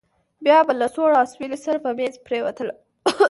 بيا به له سوړ اسويلي سره په مېز پرېوتله.